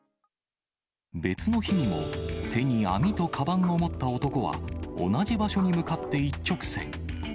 別の日にも手に網とかばんを持った男は、同じ場所に向かって一直線。